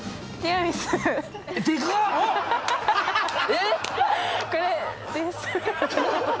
えっ！？